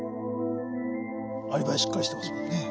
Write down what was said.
アリバイしっかりしてますもんね。